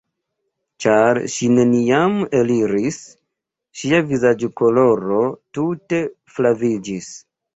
Ĉar ŝi neniam eliris, ŝia vizaĝkoloro tute flaviĝis.